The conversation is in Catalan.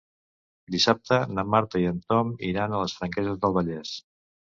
Dissabte na Marta i en Tom iran a les Franqueses del Vallès.